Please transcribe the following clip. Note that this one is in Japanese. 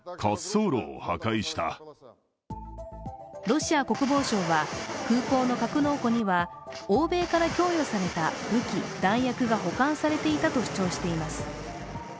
ロシア国防省は、空港の格納庫には欧米から供与された武器、弾薬が保管されていたと主張しています。